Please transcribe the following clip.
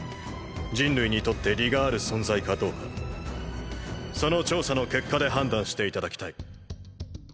人類にとって利がある存在かどうかその調査の結果で判断して頂きたい。